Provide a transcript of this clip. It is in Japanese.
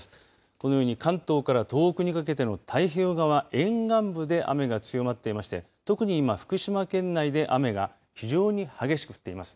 このように関東から東北にかけての太平洋側沿岸部で雨が強まっていまして特に今、福島県内で雨が非常に激しく降っています。